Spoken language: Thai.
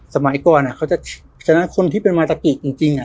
สมัยก่อนเขาจะฉะนั้นคนที่เป็นมาตะกี้จริงจริง